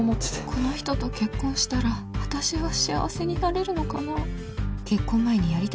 この人と結婚したら私は幸せになれるのかな。